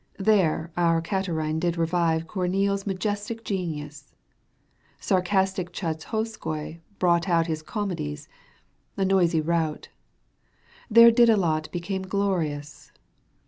There our Katenine did revive ComeiUe's majestic genius, Sarcastic Sh^khovskoi brought out His comedies, a noisy rout. There Didelot became glorious.